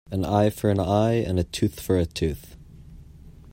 An eye for an eye and a tooth for a tooth.